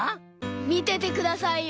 みててくださいよ。